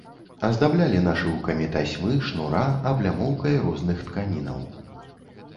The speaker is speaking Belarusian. Аздаблялі нашыўкамі тасьмы, шнура, аблямоўкай розных тканінаў.